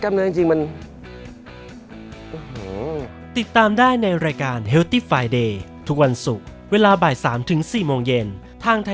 คือถ้าเห็นเราโฟกัสกับเนื้อจริงมัน